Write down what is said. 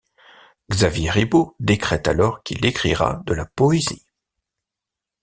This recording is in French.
Xavier Ribot décrète alors qu’il écrira de la poésie.